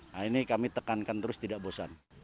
nah ini kami tekankan terus tidak bosan